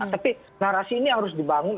tapi narasi ini harus dibangun